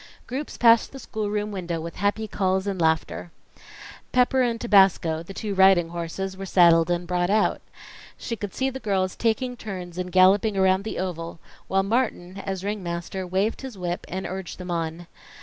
Groups passed the schoolroom window with happy calls and laughter. Pepper and Tabasco, the two riding horses, were saddled and brought out. She could see the girls taking turns in galloping around the oval, while Martin, as ringmaster, waved his whip and urged them on.